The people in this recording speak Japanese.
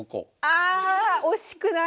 全然惜しくない。